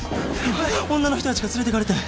女の人たちが連れていかれて。